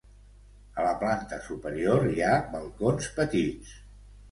A la planta superior hi ha balcons petits.